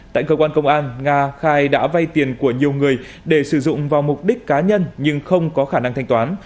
tại cơ quan công an nga khai đã vay tiền của nhiều người để sử dụng vào mục đích cá nhân nhưng không có khả năng thanh toán